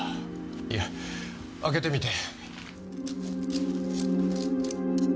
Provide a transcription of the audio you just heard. いや開けてみて。